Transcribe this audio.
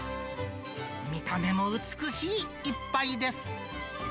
見た目も美しい一杯です。